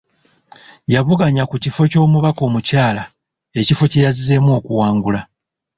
Yavuganya ku kifo ky’omubaka omukyala, ekifo kye yazzeemu okuwangula.